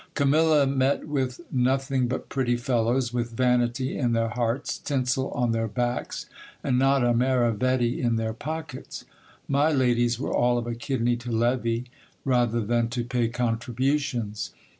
Camilla met with no thing but pretty fellows, with vanity in their hearts, tinsel on their backs, and not a maravedi in their pockets ; my ladies were all of a kidney to levy, rather than to pay contributions.